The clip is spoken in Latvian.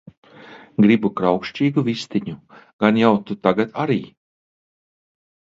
Gribu kraukšķīgu vistiņu! Gan jau tu tagad arī..